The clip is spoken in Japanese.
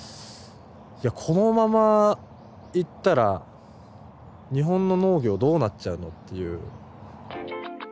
このままいったら日本の農業どうなっちゃうのっていう。